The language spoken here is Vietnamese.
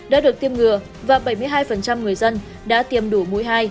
đã được tiêm ngừa và bảy mươi hai người dân đã tiêm đủ mũi hai